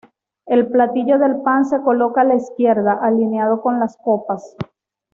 El platillo del pan se coloca a la izquierda, alineado con las copas.